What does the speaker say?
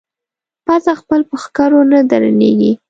بزه خپل په ښکرو نه درنېږي.